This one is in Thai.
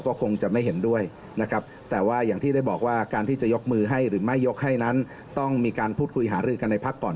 เป็นคำแนะนำจากอาจารย์วิศนุษย์เครื่องรามค่ะ